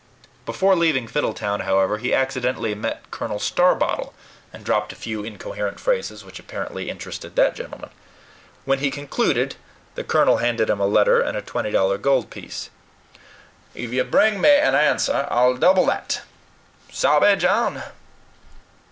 Before leaving Fiddletown, however, he accidentally met Colonel Starbottle, and dropped a few incoherent phrases which apparently interested that gentleman. When he concluded, the colonel handed him a letter and a twenty dollar gold piece. "If you bring me an answer, I'll double that sabe, John?"